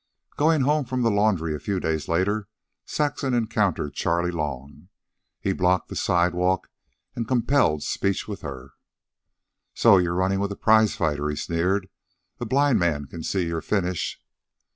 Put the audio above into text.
Going home from the laundry a few days later, Saxon encountered Charley Long. He blocked the sidewalk, and compelled speech with her. "So you're runnin' with a prizefighter," he sneered. "A blind man can see your finish."